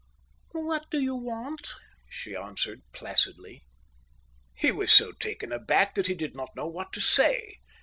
"What do you want?" she answered placidly. He was so taken aback that he did not know what to say.